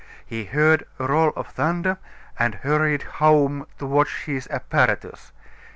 He heard a roll of thunder and hurried home to watch his apparatus.